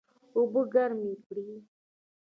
اوبه ګرمې کړئ